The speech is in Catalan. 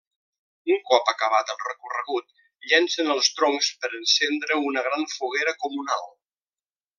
Un cop acabat el recorregut llencen els troncs per encendre una gran foguera comunal.